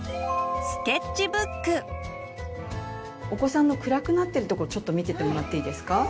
お子さんの暗くなってるところちょっと見ててもらっていいですか。